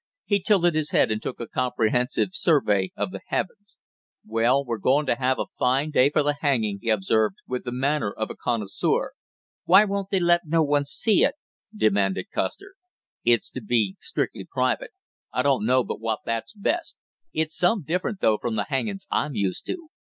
He tilted his head and took a comprehensive survey of the heavens. "Well, we're going to have a fine day for the hanging," he observed, with the manner of a connoisseur. "Why won't they let no one see it?" demanded Custer. "It's to be strictly private. I don't know but what that's best; it's some different though from the hangings I'm used to."